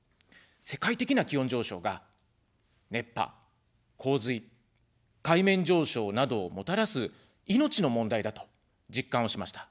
世界的な気温上昇が熱波、洪水、海面上昇などをもたらす命の問題だと実感をしました。